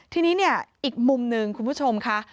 ทีนี้เนี่ยอีกมุมหนึ่งคุณผู้ชมค่ะ